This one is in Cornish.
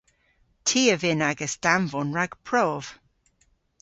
Ty a vynn agas danvon rag prov.